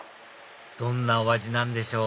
どんなお味なんでしょう？